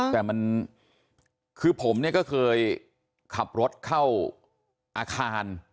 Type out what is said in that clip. แต่มันคือผมเนี่ยก็เคยขับรถเข้าอาคาร